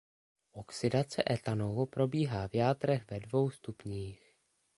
Oxidace ethanolu probíhá v játrech ve dvou stupních.